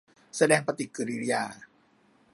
แสดงปฏิกิริยา